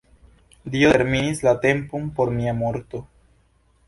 Dio determinis la tempon por mia morto.